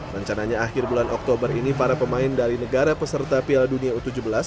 rencananya akhir bulan oktober ini para pemain dari negara peserta piala dunia u tujuh belas